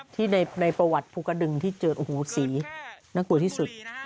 ที่ในประวัติภูกฎึงที่เจอโอ้โฮ๔นักบุหรี่ที่สุด